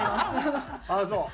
ああそう。